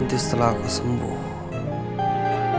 nanti setelah aku sembuh